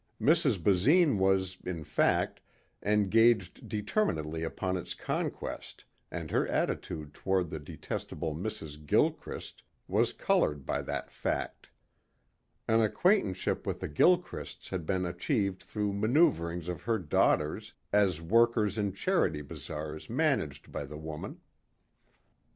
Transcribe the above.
Mrs. Basine was, in fact, engaged determinedly upon its conquest and her attitude toward the detestable Mrs. Gilchrist was colored by that fact. An acquaintanceship with the Gilchrists had been achieved through manoeuverings of her daughters as workers in charity bazaars managed by the woman.